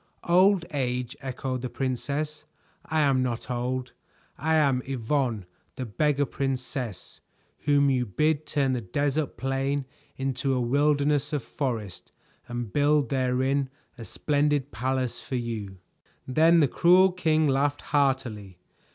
"Old age," echoed the princess. "I am not old. I am Yvonne, the Beggar Princess, whom you bid turn the desert plain into a wilderness of forest and build therein a splendid palace for you." Then the cruel king laughed heartily.